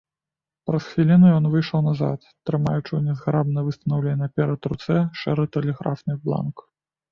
Праз хвіліну ён выйшаў назад, трымаючы ў нязграбна выстаўленай наперад руцэ шэры тэлеграфны бланк.